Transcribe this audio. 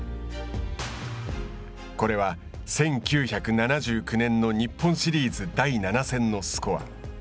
これは１９７９年の日本シリーズ第７戦のスコア。